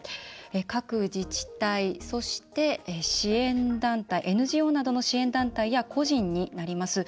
各自治体、そしてＮＧＯなどの支援団体や個人になります。